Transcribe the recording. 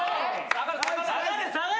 下がれ下がれ！